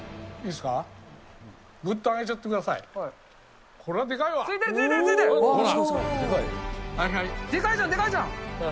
でかいじゃん、でかいじゃん。